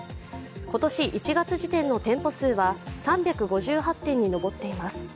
今年１月時点の店舗数は３５８店に上っています。